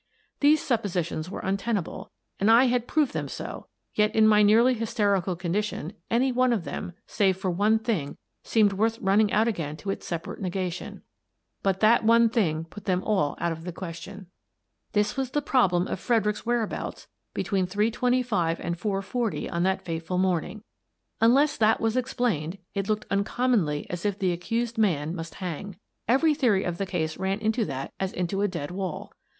These suppositions were untenable, and I had proved them so, yet, in my nearly hysterical condition, any one of them, save for one thing, seemed worth running out again to its separate negatioa But that one thing put them all out of the question. This was the problem of Fredericks's where abouts between 3.25 and 4.40 on that fatal morn ing. Unless that was explained, it looked uncom monly as if the accused man must hang. Every theory of the case ran into that as into a dead wall.